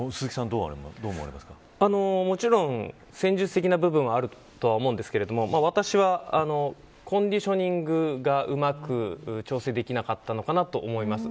もちろん戦術的な部分はあるとは思うんですけれども私はコンディショニングがうまく調整できなかったのかなと思います。